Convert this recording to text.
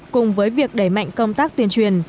cùng với việc đẩy mạnh công tác tuyển truyền